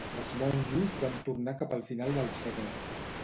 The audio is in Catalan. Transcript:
Els monjos van tornar cap al final del segle.